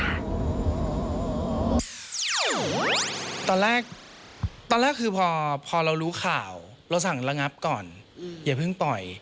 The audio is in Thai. ตอนแรกตอนแรกคือพอเรารู้ข่าวเราสั่งระงับก่อนอย่าเพิ่งปล่อย